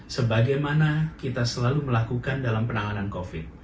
sebagaimana kita selalu melakukan dalam penanganan covid sembilan belas